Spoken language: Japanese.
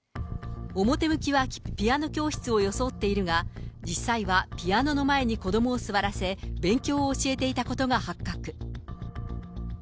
表向きはピアノ教室を装っているが、実際はピアノの前に子どもを座らせ、勉強を教えていたことが発覚。